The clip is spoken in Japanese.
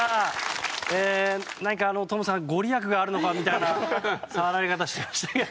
トムさん、ご利益があるのかなという触られ方してましたが。